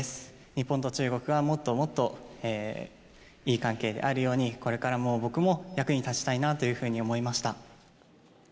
日本と中国がもっともっといい関係であるように、これからも僕も役に立ちたいなというふうに思いました。